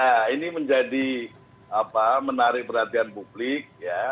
nah ini menjadi menarik perhatian publik ya